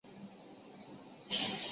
毛麻楝为楝科麻楝属下的一个变种。